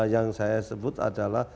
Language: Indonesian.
yang saya sebut adalah